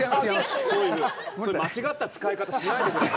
そういう間違った使い方をしないでください。